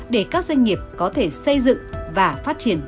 để các doanh nghiệp có thể xây dựng và phát triển